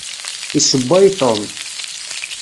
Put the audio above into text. Issewway Tom.